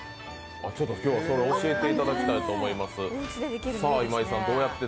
今日はそれを教えていただきたいと思います。